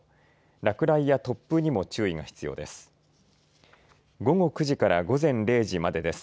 落雷や突風にも注意が必要です。